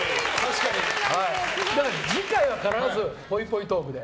次回は必ず、ぽいぽいトークで。